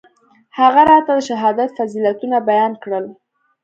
هغه راته د شهادت فضيلتونه بيان کړل.